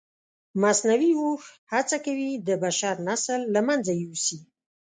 مصنوعي هوښ هڅه کوي د بشر نسل له منځه یوسي.